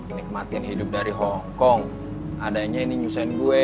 ini kematian hidup dari hongkong adanya ini nyusen gue